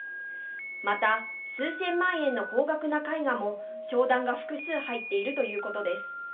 また、数千万円の高額な絵画も商談が複数入っているということです。